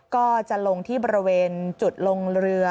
ก็จะลงที่บริเวณจุดลงเรือ